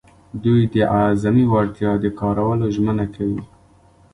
دوی د اعظمي وړتیا د کارولو ژمنه کوي.